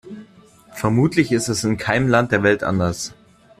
Vermutlich ist das in keinem Land der Welt anders.